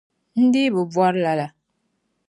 N dii bi bori lala.